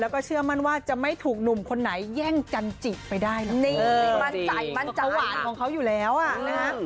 แล้วก็เชื่อมั่นว่าจะไม่ถูกหนุ่มคนไหนแย่งจันจิไปได้นะนี่มันใสมันจะหวานของเขาอยู่แล้วอ่ะนะฮะ